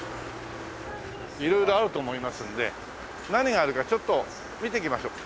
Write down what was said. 色々あると思いますので何があるかちょっと見てきましょう。